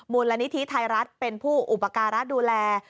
มูลนิธิไทยรัฐเป็นผู้อุปการะดูแล